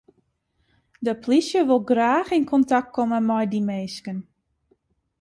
De polysje wol graach yn kontakt komme mei dy minsken.